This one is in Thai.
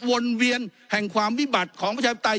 วนเวียนแห่งความวิบัติของประชาปไตย